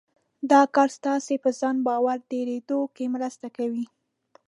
دا کار ستاسې په ځان باور ډېرېدو کې مرسته کوي.